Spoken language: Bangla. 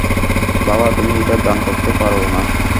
বাবা, তুমি এটা দান করতে পারো না।